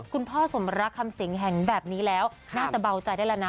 คุณพ่อสมรักคำสิงเห็นแบบนี้แล้วน่าจะเบาใจได้แล้วนะ